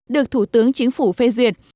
được thủ tướng chính phủ phê duyệt